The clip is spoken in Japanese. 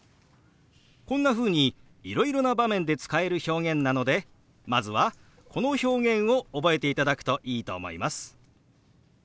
こんなふうにいろいろな場面で使える表現なのでまずはこの表現を覚えていただくといいと思います。